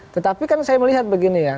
tetapi kan saya melihat begini ya